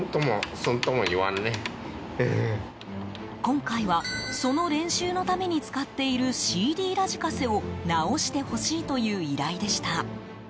今回はその練習のために使っているＣＤラジカセを直してほしいという依頼でした。